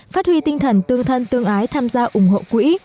phát huy tinh thần tương thân tương ái tham gia ủng hộ quỹ